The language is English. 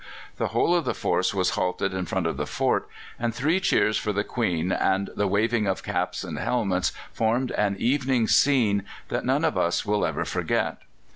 The whole of the force was halted in front of the fort, and three cheers for the Queen and the waving of caps and helmets formed an evening scene that none of us will ever forget."